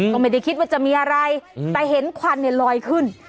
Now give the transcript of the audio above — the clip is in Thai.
ก็ไม่ได้คิดว่าจะมีอะไรแต่เห็นควันเนี่ยลอยขึ้น